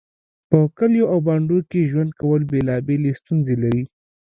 په کليو او بانډو کې ژوند کول بيلابيلې ستونزې لري